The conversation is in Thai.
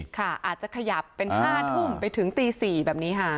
ค่ะอาจจะขยับเป็นห้าทุ่มไปถึงตีสี่แบบนี้ค่ะ